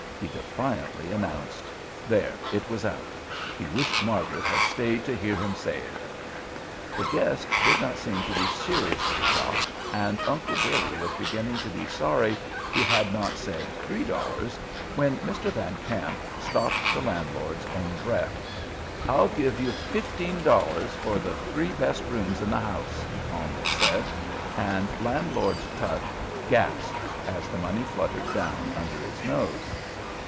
he defiantly announced. There! It was out! He wished Margaret had stayed to hear him say it. The guest did not seem to be seriously shocked, and Uncle Billy was beginning to be sorry he had not said three dollars, when Mr. Van Kamp stopped the landlord's own breath. "I'll give you fifteen dollars for the three best rooms in the house," he calmly said, and Landlord Tutt gasped as the money fluttered down under his nose.